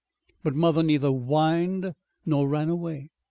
But mother neither whined nor ran away.